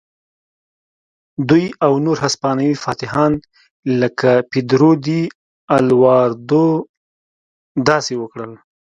دوی او نور هسپانوي فاتحان لکه پیدرو ډي الواردو داسې وکړل.